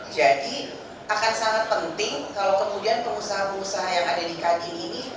jadi akan sangat penting kalau kemudian pengusaha pengusaha yang ada di kadin ini